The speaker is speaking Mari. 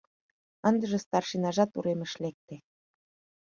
Ындыже старшинажат уремыш лекте.